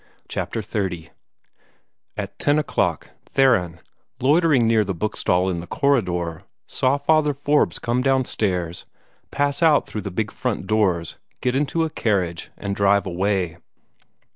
CHAPTER XXX At ten o'clock Theron, loitering near the bookstall in the corridor, saw Father Forbes come downstairs, pass out through the big front doors, get into a carriage, and drive away.